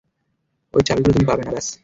ওই চাবিগুলো তুমি পাবে না, ব্যাস।